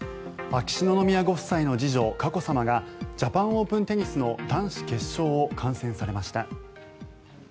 秋篠宮ご夫妻の次女佳子さまがジャパン・オープン・テニスの男子決勝を観戦されました。